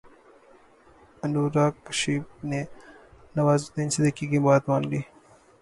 انوراگ کشیپ نے نوازالدین صدیقی کی بات مان لی